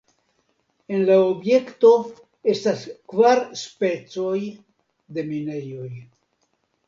En la objekto estas kvar specoj de minejoj.